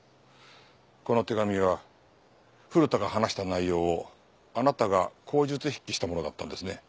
この手紙は古田が話した内容をあなたが口述筆記したものだったんですね。